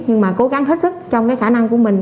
nhưng mà cố gắng hết sức trong cái khả năng của mình